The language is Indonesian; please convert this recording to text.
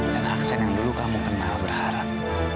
dan aksan yang dulu kamu kenal berharap